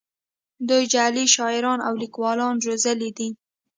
دوی جعلي شاعران او لیکوالان روزلي دي